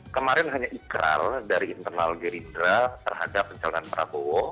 kemarin hanya ikral dari internal gerindra terhadap pencalonan prabowo